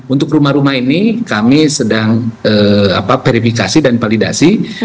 untuk rumah rumah ini kami sedang verifikasi dan validasi